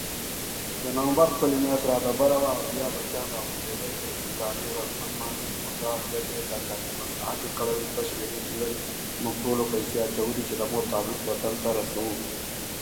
Legumes, bread, cheese, vegetables, mushrooms and fresh fruit are used.